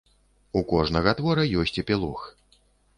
У кожнага твора ёсць эпілог.